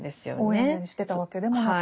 応援してたわけでもなく。